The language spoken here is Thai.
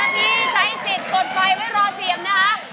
ที่ใช้สิทธิ์กดไฟไว้รอเสียงนะคะ